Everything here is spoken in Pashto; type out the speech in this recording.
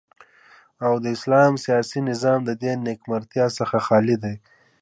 او د اسلام سیاسی نظام ددی نیمګړتیاو څخه خالی دی